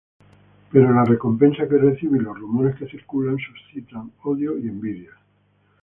Pero la recompensa que recibe y los rumores que circulan suscitan odio y envidias.